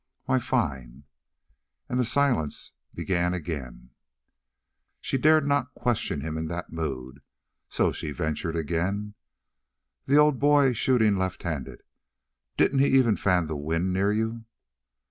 "Why, fine." And the silence began again. She dared not question him in that mood, so she ventured again: "The old boy shooting left handed didn't he even fan the wind near you?"